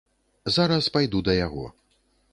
Зараз пайду да яго.